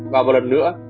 và một lần nữa